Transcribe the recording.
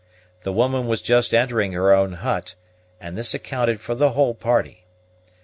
The woman was just entering her own hut; and this accounted for the whole party.